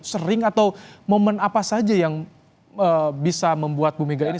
sering atau momen apa saja yang bisa membuat bu mega ini